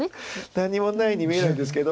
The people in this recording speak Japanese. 何もないように見えるんですけど。